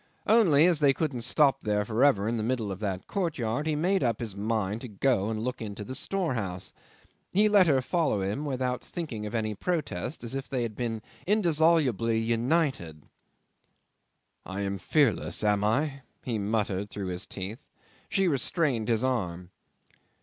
Only as they couldn't stop there for ever in the middle of that courtyard, he made up his mind to go and look into the storehouse. He let her follow him without thinking of any protest, as if they had been indissolubly united. "I am fearless am I?" he muttered through his teeth. She restrained his arm.